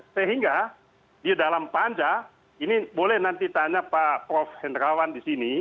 sehingga di dalam panja ini boleh nanti tanya pak prof hendrawan di sini